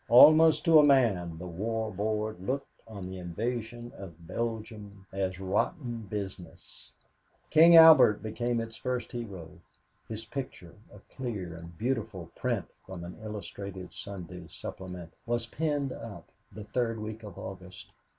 Almost to a man the War Board looked on the invasion of Belgium as rotten business. King Albert became its first hero. His picture a clear and beautiful print from an illustrated Sunday supplement was pinned up the third week of August.